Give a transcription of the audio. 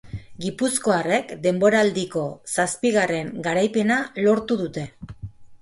Gipuzkoarrek denboraldilo zazpigarren garaipena lortu dute.